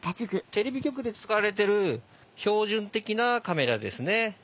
テレビ局で使われてる標準的なカメラですね。